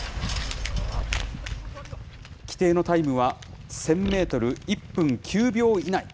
規定のタイムは、１０００メートル１分９秒以内。